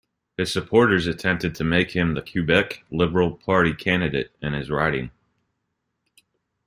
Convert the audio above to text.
His supporters attempted to make him the Quebec Liberal Party candidate in his riding.